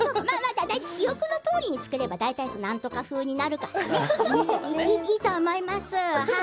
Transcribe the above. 記憶のとおりに作れば大体なんとか風になると思うからいいと思います。